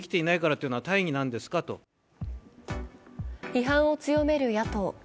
批判を強める野党。